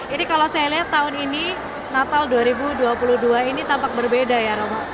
ini kalau saya lihat tahun ini natal dua ribu dua puluh dua ini tampak berbeda ya roma